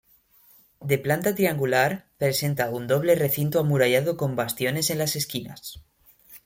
De planta triangular, presenta un doble recinto amurallado con bastiones en las esquinas.